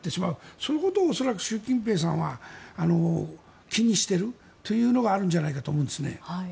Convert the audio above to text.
そのことを恐らく習近平さんは気にしているというのがあるんじゃないかと思いますね。